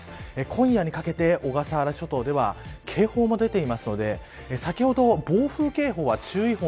今夜にかけて小笠原諸島では警報も出ていますので先ほど暴風警報は注意報